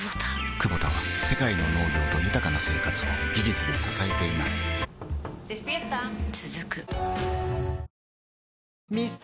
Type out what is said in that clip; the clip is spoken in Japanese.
クボタは世界の農業と豊かな生活を技術で支えています起きて。